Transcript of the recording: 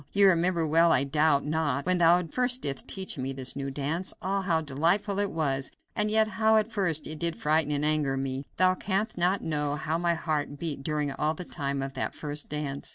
You remember well, I doubt not, when thou first didst teach me this new dance. Ah! how delightful it was! and yet how at first it did frighten and anger me. Thou canst not know how my heart beat during all the time of that first dance.